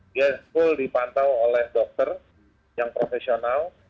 dia full dipantau oleh dokter yang profesional